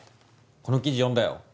この記事読んだよ